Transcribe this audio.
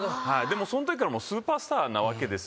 そのときからスーパースターなわけですよ。